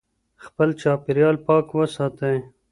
خپل چاپېريال پاک وساتئ.